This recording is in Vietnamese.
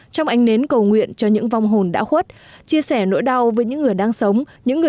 trong ánh nến cầu nguyện cho những vong hồn đã khuất chia sẻ nỗi đau với những người đang sống những người